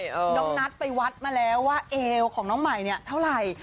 น้องนัทไปวัดมาแล้วว่าเอวของน้องใหม่เนี่ยเท่าไหร่